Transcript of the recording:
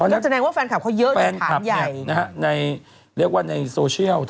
แล้วแจ้งว่าแฟนคลับเขาเยอะอยู่ผ่านใหญ่แฟนคลับเนี่ยนะฮะเรียกว่าในโซเชียลทั้งหมด